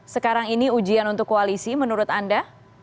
sekarang ini ujian untuk koalisi menurut anda